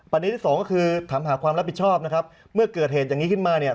ที่สองก็คือถามหาความรับผิดชอบนะครับเมื่อเกิดเหตุอย่างนี้ขึ้นมาเนี่ย